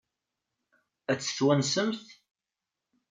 Ad t-twansemt?